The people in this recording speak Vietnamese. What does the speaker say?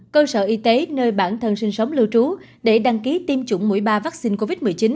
cơ sở y tế nơi bản thân sinh sống lưu trú để đăng ký tiêm chủng mũi ba vaccine covid một mươi chín